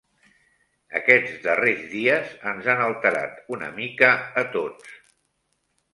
Aquests darrers dies ens han alterat una mica a tots.